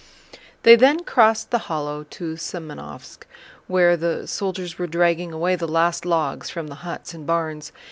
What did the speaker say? They then crossed the hollow to Semënovsk, where the soldiers were dragging away the last logs from the huts and barns.